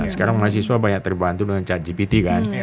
sekarang mahasiswa banyak terbantu dengan cat gpt kan